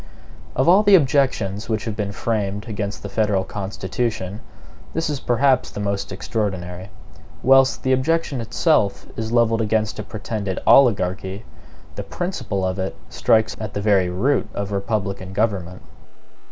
Of all the objections which have been framed against the federal Constitution, this is perhaps the most extraordinary. Whilst the objection itself is levelled against a pretended oligarchy, the principle of it strikes at the very root of republican government.